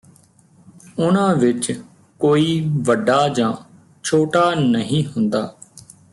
ਉਨ੍ਹਾਂ ਵਿਚ ਕੋਈ ਵੱਡਾ ਜਾਂ ਛੋਟਾ ਨਹੀਂ ਹੁੰਦਾ